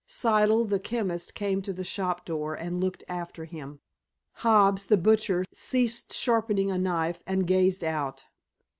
Siddle, the chemist, came to the shop door, and looked after him. Hobbs, the butcher, ceased sharpening a knife and gazed out.